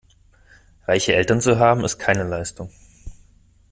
Reiche Eltern zu haben, ist keine Leistung.